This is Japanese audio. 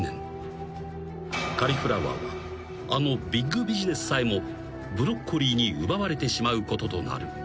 ［カリフラワーはあのビッグビジネスさえもブロッコリーに奪われてしまうこととなる］